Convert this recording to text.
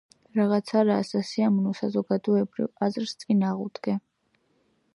რაღაც არაა სასიამოვნო საზოგადოებრივ აზრს წინ აღუდგე.